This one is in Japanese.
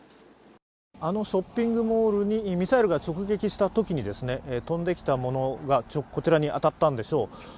あのショッピングモールにミサイルが直撃したときに飛んできたものがこちらに当たったんでしょう